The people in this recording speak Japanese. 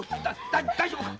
大丈夫か？